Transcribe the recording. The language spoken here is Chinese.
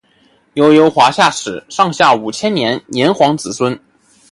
悠悠华夏史上下五千年炎黄子孙